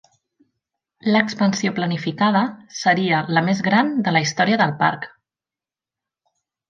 L'expansió planificada seria la més gran de la història del parc.